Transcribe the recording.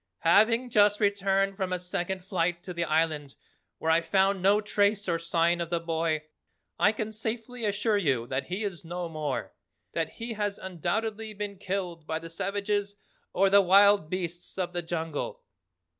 Having just returned from a second flight to the Island where I found no trace or sign of the boy, I can safely assure you that he is no more, that he has undoubtedly been killed by the savages or the wild beasts of the jungle."